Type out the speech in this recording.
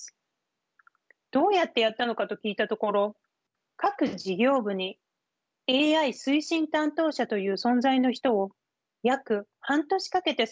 どうやってやったのかと聞いたところ各事業部に「ＡＩ推進担当者」という存在の人を約半年かけて育て上げ